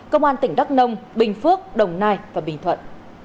công an tỉnh đắk nông bình phước đồng nai và bình thuận